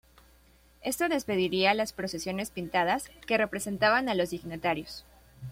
Esto despediría a las procesiones pintadas, que representaban a los dignatarios.